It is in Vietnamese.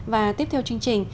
và tiếp theo chương trình